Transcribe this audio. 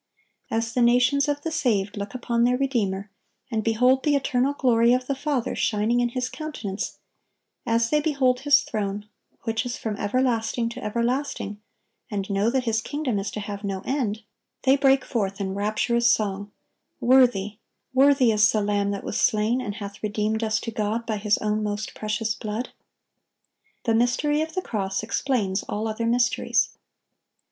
As the nations of the saved look upon their Redeemer, and behold the eternal glory of the Father shining in His countenance; as they behold His throne, which is from everlasting to everlasting, and know that His kingdom is to have no end, they break forth in rapturous song, "Worthy, worthy is the Lamb that was slain, and hath redeemed us to God by His own most precious blood!" The mystery of the cross explains all other mysteries.